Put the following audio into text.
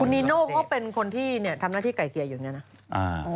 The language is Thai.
คุณนิโน่เขาเป็นคนที่ทำหน้าที่ไก่เกลี่ยอยู่อย่างนี้นะ